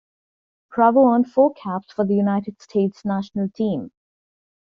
Bravo earned four caps for the United States national team.